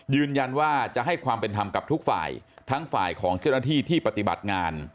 ยืนยันว่าจะให้ความเป็นธรรมกับทุกฝ่ายทั้งฝ่ายของเจ้าหน้าที่ที่ปฏิบัติงาน